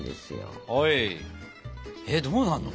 えっどうなんの？